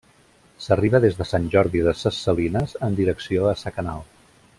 S'arriba des de Sant Jordi de ses Salines, en direcció a Sa Canal.